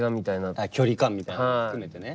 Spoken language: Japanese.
あっ距離感みたいなのも含めてね。